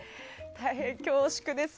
大変恐縮です。